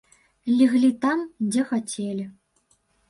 Леглі там, дзе хацелі.